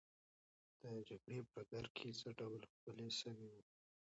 د جګړې ډګر څه ډول ښکلی سوی وو؟